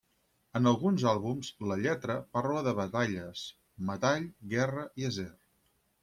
En alguns àlbums, la lletra parla de batalles, metall, guerra i acer.